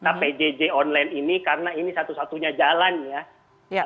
kpjj online ini karena ini satu satunya jalan ya